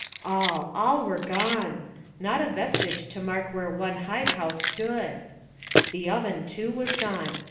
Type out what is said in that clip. All, all were gone! not a vestige to mark where one hide house stood. The oven, too, was gone.